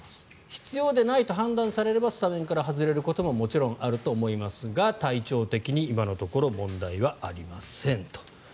必要ないと判断されればスタメンから外れることももちろんあると思いますが体調的に今のところ問題はありませんと。